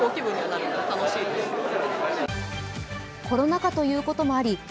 コロナ禍ということもあり